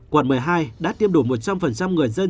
quận một mươi hai đã tiêm đủ một trăm linh người dân